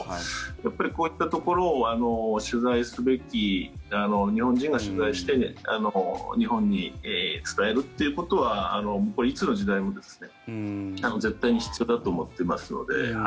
やっぱりこういったところを取材すべき日本人が取材して日本に伝えるということはいつの時代も絶対に必要だと思ってますので。